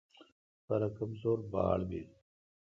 پرہ کمزور باڑ بل۔